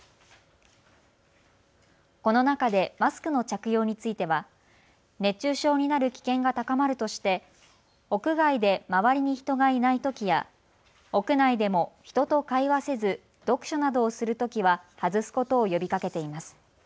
この中でマスクの着用については、熱中症になる危険が高まるとして、屋外で周りに人がいないときや屋内でも人と会話せず読書などをするときは外すことを呼びかけています。